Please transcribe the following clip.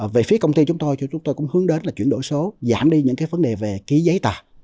về phía công ty chúng tôi chúng tôi cũng hướng đến là chuyển đổi số giảm đi những vấn đề về ký giấy tà